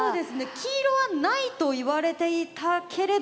黄色はないと言われていたけれど。